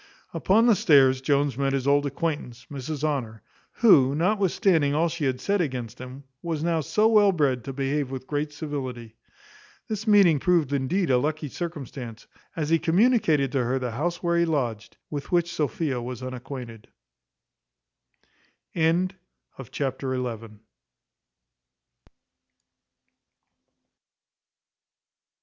Upon the stairs Jones met his old acquaintance, Mrs Honour, who, notwithstanding all she had said against him, was now so well bred to behave with great civility. This meeting proved indeed a lucky circumstance, as he communicated to her the house where he lodged, with which Sophia was unacquainted. Chapter xii.